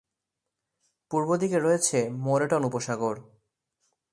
পূর্ব দিকে রয়েছে মোরেটন উপসাগর।